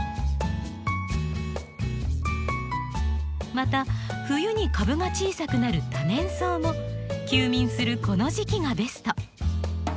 また冬に株が小さくなる多年草も休眠するこの時期がベスト。